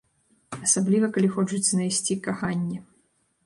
Асабліва калі хочуць знайсці каханне.